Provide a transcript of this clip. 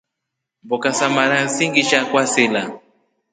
Mboka sa mara singisha kwasila.